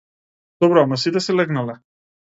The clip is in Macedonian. Добро ама сите си легнале.